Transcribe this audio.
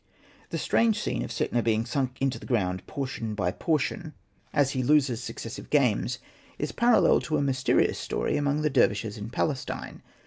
The strange scene of Setna being sunk into the ground portion by portion, as he loses Hosted by Google REMARKS 137 successive games^ is parallel to a mysterious story among the dervishes in Palestine.